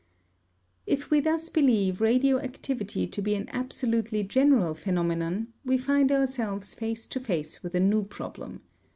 If we thus believe radioactivity to be an absolutely general phenomenon, we find ourselves face to face with a new problem.